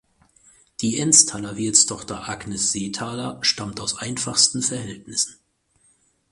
Die Ennstaler Wirtstochter Agnes Seethaler stammt aus einfachsten Verhältnissen.